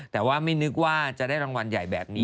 แต่ว่าไม่นึกว่าจะได้รางวัลใหญ่แบบนี้